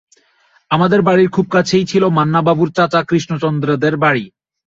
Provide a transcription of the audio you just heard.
আমাদের বাড়ির খুব কাছেই ছিল মান্না বাবুর চাচা কৃষ্ণচন্দ্র দের বাড়ি।